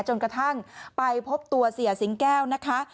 จนกระทั่งไปพบตัวเสียสิงแก้วนะคะ